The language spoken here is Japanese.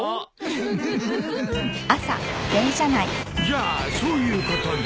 じゃあそういうことで。